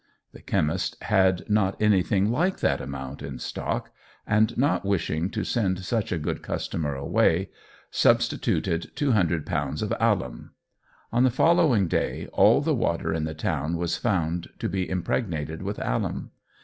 The chemist had not anything like that amount in stock, and not wishing to send such a good customer away, substituted 200 lb. of alum. On the following day all the water in the town was found to be impregnated with alum.